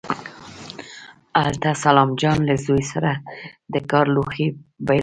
هلته سلام جان له زوی سره د کار لوښي بېلول.